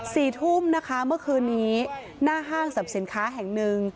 สี่ทุ่มนะคะเมื่อคืนนี้หน้าห้างสรรพสินค้าแห่งหนึ่ง